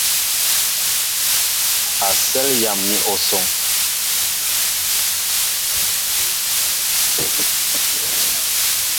Asέl yam ni osoŋ.